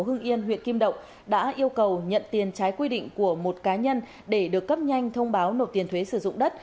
hương yên huyện kim động đã yêu cầu nhận tiền trái quy định của một cá nhân để được cấp nhanh thông báo nộp tiền thuế sử dụng đất